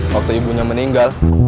waktu ibunya meninggal